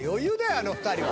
あの２人は。